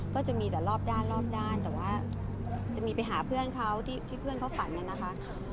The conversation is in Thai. ก็จะมีแต่รอบด้านรอบด้านแต่ว่าจะมีไปหาเพื่อนเขาที่เพื่อนเขาฝันน่ะนะคะ